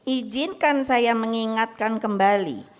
ijinkan saya mengingatkan kembali